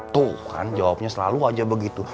tuh kan jawabnya selalu aja begitu